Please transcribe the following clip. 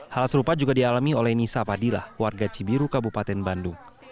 hal serupa juga dialami oleh nisa padilah warga cibiru kabupaten bandung